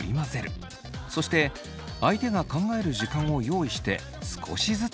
そして相手が考える時間を用意して少しずつだそう。